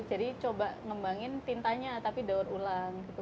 jadi coba ngembangin tintanya tapi daur ulang gitu